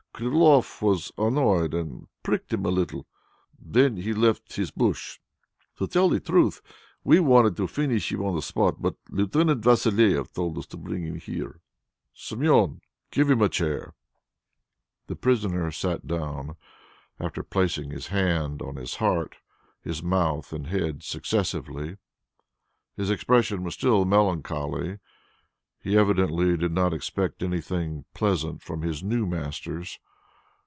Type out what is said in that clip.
Kyriloff was annoyed, and pricked him a little. Then he left his bush. To tell the truth, we wanted to finish him on the spot, but Lieutenant Vassilieff told us to bring him here." "Somione! give him a chair." The prisoner sat down, after placing his hand on his heart, his mouth, and his head successively. His expression was still melancholy; he evidently did not expect anything pleasant from his new masters.